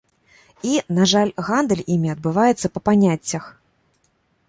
І, на жаль, гандаль імі адбываецца па паняццях.